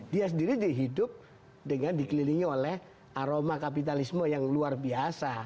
dia sendiri dihidup dengan dikelilingi oleh aroma kapitalisme yang luar biasa